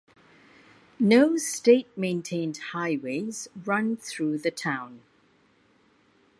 No state maintained highways run through the town.